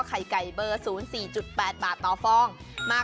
ไข่ไก่๐๔๘บาทต่อกาก